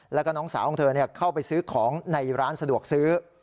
แล้วก็น้องสาวของเธอเข้าไปซื้อของในร้านสะดวกซื้อ